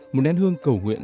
một nén hương cầu nguyện